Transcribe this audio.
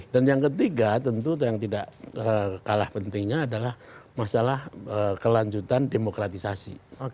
dan yang ketiga tentu yang tidak kalah pentingnya adalah masalah kelanjutan demokratisasi